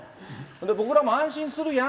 僕らも安心するやん。